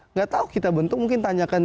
nggak tahu kita bentuk mungkin tanyakan